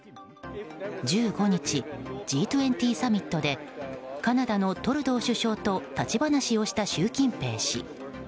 １５日、Ｇ２０サミットでカナダのトルドー首相と立ち話をした習近平氏。